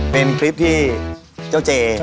มีคลิปที่เจ้าเจ